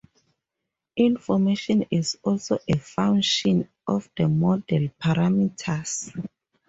Information is also a "function" of the model parameters.